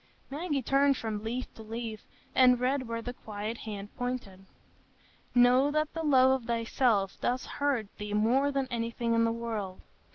Maggie turned from leaf to leaf, and read where the quiet hand pointed: "Know that the love of thyself doth hurt thee more than anything in the world....